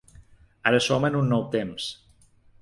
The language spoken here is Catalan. Ara som en un nou temps.